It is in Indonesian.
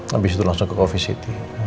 habis itu langsung ke covisity